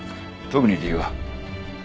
特に理由は。